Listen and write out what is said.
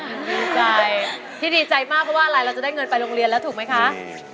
ดีใจที่ดีใจมากเพราะว่าอะไรเราจะได้เงินไปโรงเรียนแล้วถูกไหมคะ